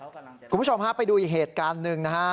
คุณผู้ชมฮะไปดูอีกเหตุการณ์หนึ่งนะฮะ